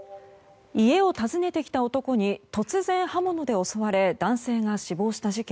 家を訪ねてきた男に突然、刃物で襲われ男性が死亡した事件。